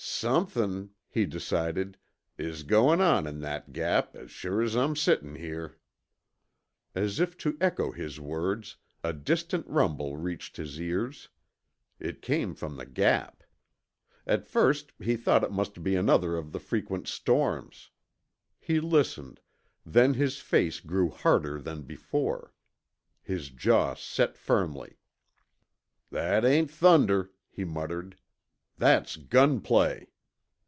"Somethin'," he decided, "is goin' on in that Gap, as sure as I'm sittin' here." As if to echo his words, a distant rumble reached his ears. It came from the Gap. At first he thought it must be another of the frequent storms. He listened, then his face grew harder than before. His jaw set firmly. "That ain't thunder," he muttered. "That's gunplay!"